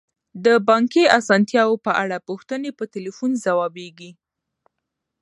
د بانکي اسانتیاوو په اړه پوښتنې په تلیفون ځوابیږي.